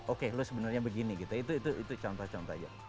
oke lo sebenarnya begini gitu itu contoh contoh aja